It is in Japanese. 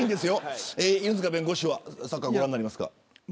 犬塚弁護士はサッカーご覧になりますか。